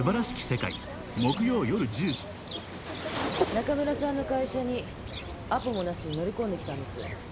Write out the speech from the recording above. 中村さんの会社にアポもなしに乗り込んできたんです。